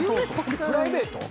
プライベートです。